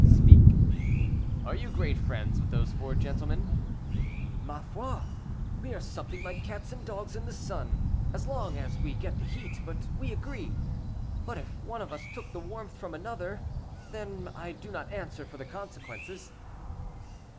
"Speak." "Are you great friends with those four gentlemen?" "Ma foi! we are something like cats and dogs in the sun; as long as we an get the heat, we agree, but if one of us took the warmth from another, then I do not answer for the consequences."